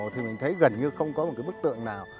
thì mình thấy gần như không có một cái bức tượng nào